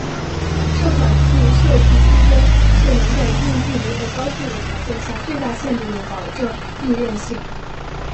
这款字设计初衷是能在一定距离和高速的条件下最大限度地保证易认性。